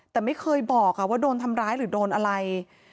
แต่ไม่เคยบอกว่าโดนทำร้ายหรือโดนอะไร